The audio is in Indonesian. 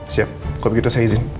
siap kok begitu saya izin